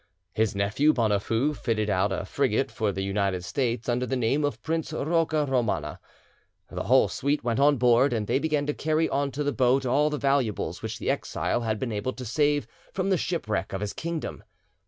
His nephew Bonafoux fitted out a frigate for the United States under the name of Prince Rocca Romana. The whole suite went on board, and they began to carry on to the boat all the valuables which the exile had been able to save from the shipwreck of his kingdom.